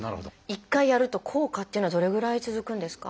一回やると効果っていうのはどれぐらい続くんですか？